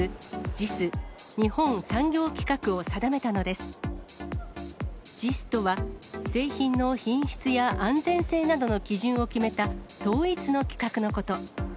ＪＩＳとは、製品の品質や安全性などの基準を決めた、統一の規格のこと。